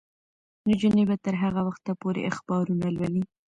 نجونې به تر هغه وخته پورې اخبارونه لولي.